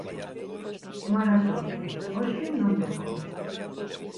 Mala sorte, hoxe non tocou.